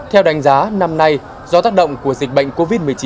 theo đánh giá năm nay do tác động của dịch bệnh covid một mươi chín